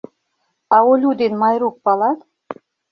— А Олю ден Майрук палат?